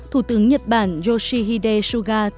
thủ tướng nhật bản yoshihide suga